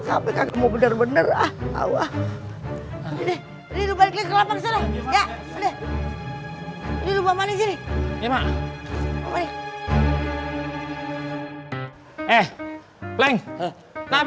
apa kamu bener bener ah allah ini lebih rapat